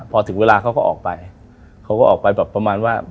พอถึงเวลาเขาก็ออกไปเขาก็ออกไปแบบประมาณว่า